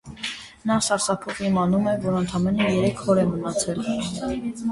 Նա սարսափով իմանում է, որ ընդամենը երեք օր է մնացել։